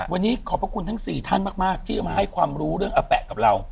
วันนี้ขอบพระคุณทั้ง๔ท่านมากที่มาให้ความรู้เรื่องอาแปะกับเรา